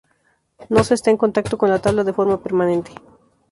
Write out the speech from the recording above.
No se está en contacto con la tabla de forma permanente.